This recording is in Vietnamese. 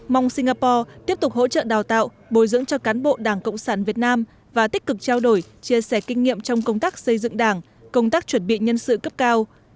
mong singapore tiếp tục hỗ trợ đào tạo bồi dưỡng cho cán bộ đảng cộng sản việt nam và tích cực trao đổi chia sẻ kinh nghiệm trong công tác xây dựng đảng công tác chuẩn bị nhân sự cấp cao